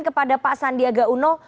kepada pak sandiaga uno